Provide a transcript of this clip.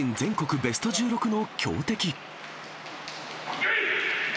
ベスト１６の強敵。